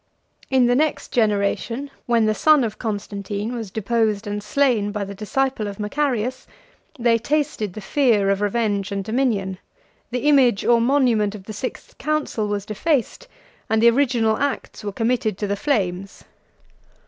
In the next generation, when the son of Constantine was deposed and slain by the disciple of Macarius, they tasted the feast of revenge and dominion: the image or monument of the sixth council was defaced, and the original acts were committed to the flames.